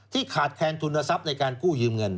ขาดแคนทุนทรัพย์ในการกู้ยืมเงิน